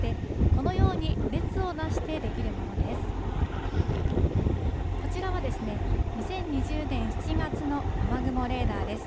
こちらは２０２０年７月の雨雲レーダーです。